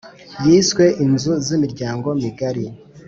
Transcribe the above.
yiswe inzu zimiryango migari